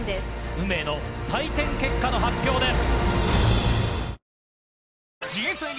運命の採点結果の発表です。